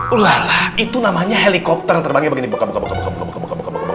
ulah lah itu namanya helikopter yang terbangnya begini boka boka boka boka boka boka boka